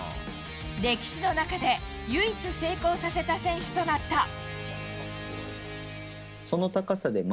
歴史の中で唯一成功させた選手となった。